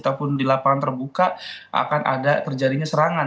ataupun dilapangan terbuka akan ada terjadinya serangan